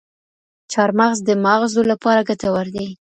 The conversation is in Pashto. چارمغز د ماغزو لپاره ګټور دي.